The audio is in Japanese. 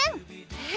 え！